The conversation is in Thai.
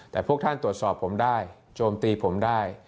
แต่พวกท่านตรวจสอบผมได้โจมตีผมได้